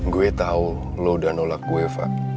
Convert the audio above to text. gue tau lo udah nolak gue fa